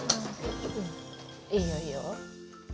いいよいいよ。